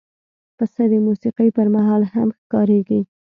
پسه د موسیقۍ پر مهال هم ښکارېږي.